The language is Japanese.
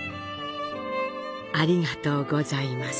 ありがとうございます。